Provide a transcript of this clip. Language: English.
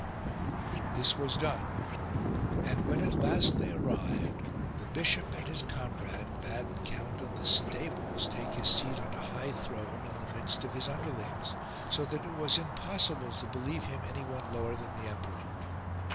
This was done ; and, when at last they arrived, the bishop and his comrade bade the count of the stables take his seat on a high throne in the midst of his underlings, so that it was impossible to believe him anyone lower than the emperor.